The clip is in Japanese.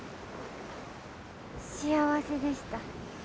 幸せでした。